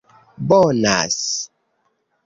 Bonas